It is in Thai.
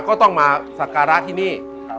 ก็ต้องมาสักการะที่นี่